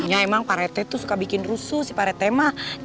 ya emang pak rt tuh suka bikin rusuh sih pak rt emang